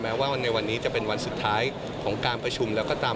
ว่าในวันนี้จะเป็นวันสุดท้ายของการประชุมแล้วก็ตาม